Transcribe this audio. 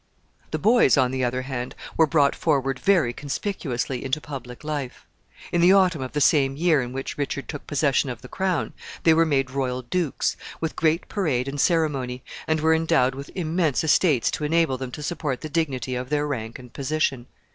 The boys, on the other hand, were brought forward very conspicuously into public life. In the autumn of the same year in which Edward took possession of the crown, they were made royal dukes, with great parade and ceremony, and were endowed with immense estates to enable them to support the dignity of their rank and position.